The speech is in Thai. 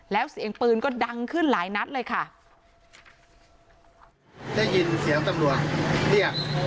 แล้วเสียงปืนก็ดังขึ้นหลายนัดเลยค่ะได้ยินเสียงตำรวจเนี่ย